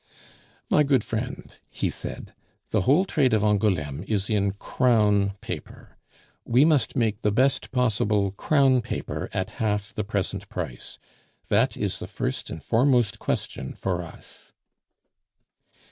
"My good friend," he said, "the whole trade of Angouleme is in crown paper. We must make the best possible crown paper at half the present price; that is the first and foremost question for us."